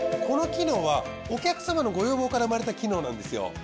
この機能はお客様のご要望から生まれた機能なんですよ。